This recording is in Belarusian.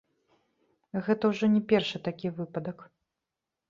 Гэта ўжо не першы такі выпадак.